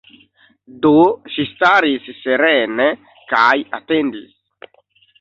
Do, ŝi staris serene, kaj atendis.